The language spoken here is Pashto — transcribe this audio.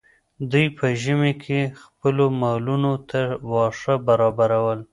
دوی په ژمي کې خپلو مالونو ته واښه برابرول.